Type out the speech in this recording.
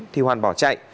thì hoàng bỏ chạy